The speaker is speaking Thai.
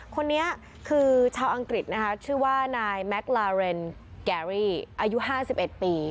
คนนี้คือชาวอังกฤษนะคะชื่อว่านายแม็กลาเรนแกรี่อายุ๕๑ปี